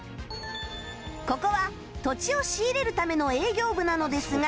ここは土地を仕入れるための営業部なのですが